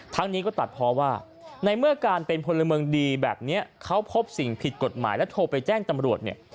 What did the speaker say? นี้ก็ตัดเพราะว่าในเมื่อการเป็นพลเมืองดีแบบนี้เขาพบสิ่งผิดกฎหมายแล้วโทรไปแจ้งตำรวจเนี่ย